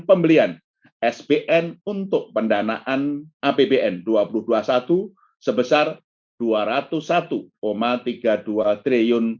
pembelian sbn untuk pendanaan apbn dua ribu dua puluh satu sebesar rp dua ratus satu tiga puluh dua triliun